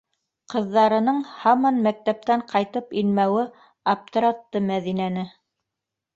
Ҡыҙҙарының һаман мәктәптән ҡайтып инмәүе аптыратты Мәҙинәне.